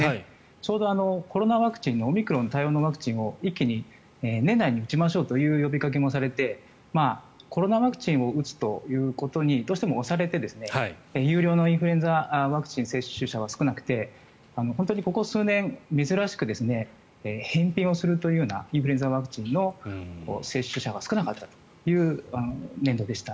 ちょうどコロナワクチンのオミクロン対応のワクチンを一気に年内に打ちましょうという呼びかけもされていてコロナワクチンを打つということにどうしても押されて有料のインフルエンザワクチン接種者は少なくて本当にここ数年珍しく返品をするというようなインフルエンザワクチンの接種者が少なかったという年度でした。